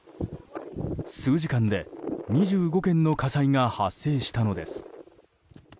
数時間で２５件の火災が発生したのです。